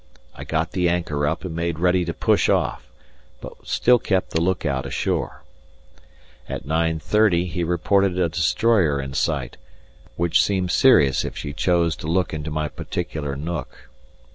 I got the anchor up and made ready to push off, but still kept the look out ashore. At 9.30 he reported a destroyer in sight, which seemed serious if she chose to look into my particular nook.